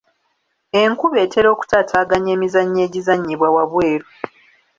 Enkuba etera okutaataaganya emizannyo egizannyibwa waabweru.